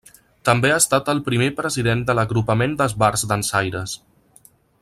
També ha estat el primer president de l'Agrupament d'Esbarts Dansaires.